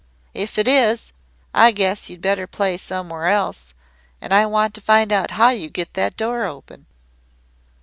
If it is, I guess you'd better play somewhere else and I want to find out how you get that door open.